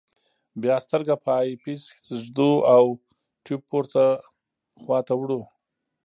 بیا سترګه په آی پیس ږدو او ټیوب پورته خواته وړو.